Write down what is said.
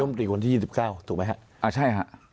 มตรีวันที่๒๙ถูกไหมฮะอ่าใช่ฮะ